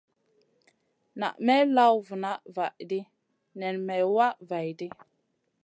Na may law vuna vahdi nen may wah vaihʼdi.